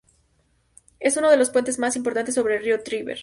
Es uno de los puentes más importantes sobre el río Tíber.